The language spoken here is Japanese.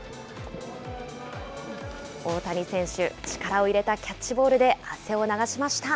大谷選手、力を入れたキャッチボールで汗を流しました。